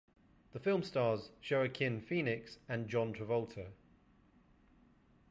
The film stars Joaquin Phoenix and John Travolta.